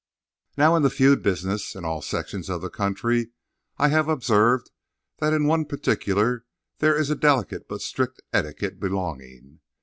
Now, in the feud business, in all sections of the country, I have observed that in one particular there is a delicate but strict etiquette belonging.